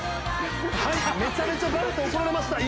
はいめちゃめちゃバレて怒られました